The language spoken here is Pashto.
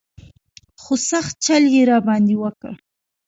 خو سخت چل یې را باندې وکړ.